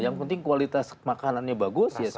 yang penting kualitas makanannya bagus